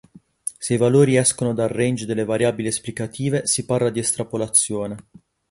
Se i valori escono dal range delle variabili esplicative si parla di estrapolazione.